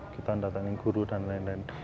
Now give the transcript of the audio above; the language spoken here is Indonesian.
kita mendatangi guru dan lain lain